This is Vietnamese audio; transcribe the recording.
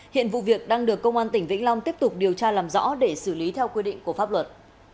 hiện vụ việc đang được công an tp hcm tiếp tục điều tra làm rõ để xử lý theo quy định của pháp luật